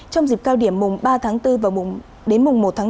trong dịp cao điểm mùng ba tháng bốn đến mùng một tháng năm